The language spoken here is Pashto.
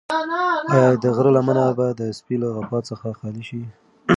ایا د غره لمنه به د سپي له غپا څخه خالي شي؟